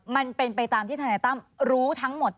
มันเป็นไปตามที่ธนายตั้มรู้ทั้งหมด